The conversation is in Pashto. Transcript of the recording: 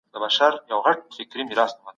د دې پوهي تاریخ ډېر لنډ دی.